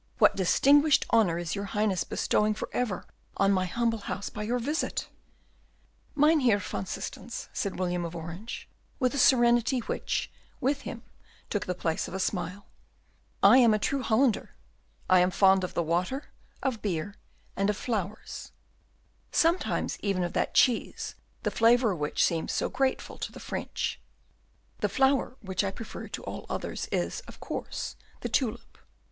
What distinguished honour is your Highness bestowing for ever on my humble house by your visit?" "Dear Mynheer van Systens," said William of Orange, with a serenity which, with him, took the place of a smile, "I am a true Hollander, I am fond of the water, of beer, and of flowers, sometimes even of that cheese the flavour of which seems so grateful to the French; the flower which I prefer to all others is, of course, the tulip.